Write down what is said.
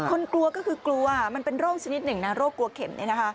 กลัวก็คือกลัวมันเป็นโรคชนิดหนึ่งนะโรคกลัวเข็ม